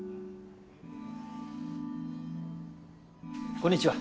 こんにちは。